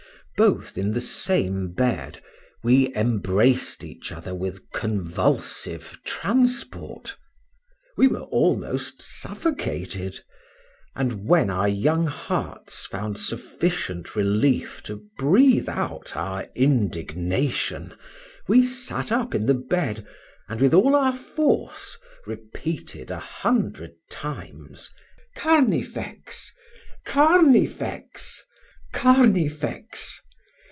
Both in the same bed, we embraced each other with convulsive transport; we were almost suffocated; and when our young hearts found sufficient relief to breathe out our indigination, we sat up in the bed, and with all our force, repeated a hundred times, Carnifex! Carnifex! Carnifex!